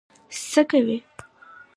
څه کوي.